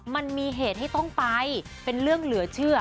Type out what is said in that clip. มันมีเหตุให้ต้องไปเป็นเรื่องเหลือเชื่อ